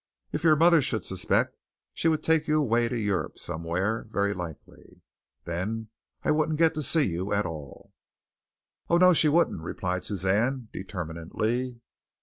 If your mother should suspect, she would take you away to Europe somewhere, very likely. Then I wouldn't get to see you at all." "Oh, no, she wouldn't," replied Suzanne determinedly.